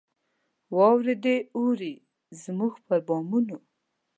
واوري دي اوري زموږ پر بامونو